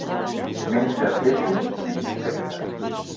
Menja peixos i insectes.